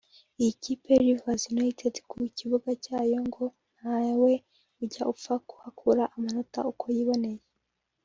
Iyi kipe ya Rivers United ku kibuga cyayo ngo ntawe ujya upfa kuhakura amanota uko yiboneye